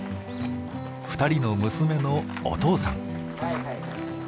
２人の娘のお父さん。